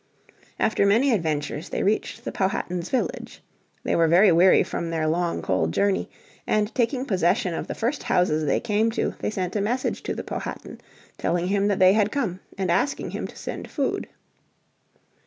After many adventures they reached the Powhatan's village. They were very weary from their long cold journey, and taking possession of the first houses they came to they sent a message to the Powhatan, telling him that they had come, and asking him to send food.